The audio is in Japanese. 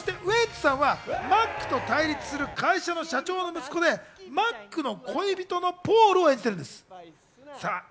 ウエンツさんはマックと対立する会社の社長の息子でマックの恋人のポールを演じているんです。